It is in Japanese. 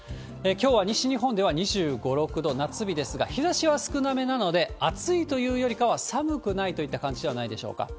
きょうは西日本では２５、６度、夏日ですが、日ざしは少なめなので、暑いというよりかは、寒くないといった感じではないでしょうか。